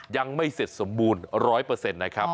ยังไม่เสร็จสมบูรณ์๑๐๐เปอร์เซ็นต์นะครับ